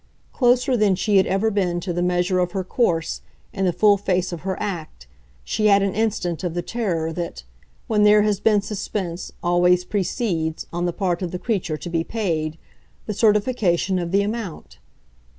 Closer than she had ever been to the measure of her course and the full face of her act, she had an instant of the terror that, when there has been suspense, always precedes, on the part of the creature to be paid, the certification of the amount.